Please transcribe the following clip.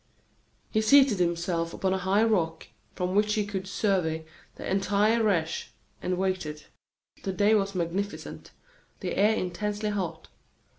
He seated himself upon a high rock, from which he could survey the entire Reche, and waited. The day was magnificent; the air intensely hot.